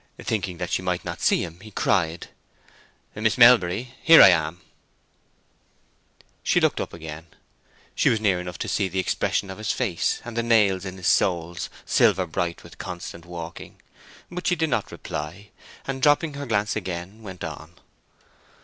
Thinking that she might not see him, he cried, "Miss Melbury, here I am." She looked up again. She was near enough to see the expression of his face, and the nails in his soles, silver bright with constant walking. But she did not reply; and dropping her glance again, went on.